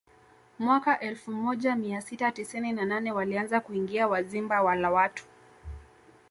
Mwaka elfu moja mia sita tisini na nane walianza kuingia Wazimba wala watu